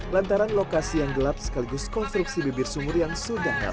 lantaran lokasi yang gelap sekaligus konstruksi bibir sumur yang sudah lama